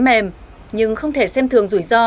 mềm nhưng không thể xem thường rủi ro